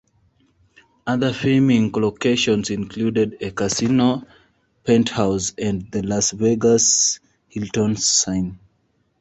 Other filming locations included a casino penthouse and the Las Vegas Hilton's sign.